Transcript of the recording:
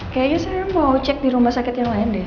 kayaknya saya mau cek di rumah sakit yang lain deh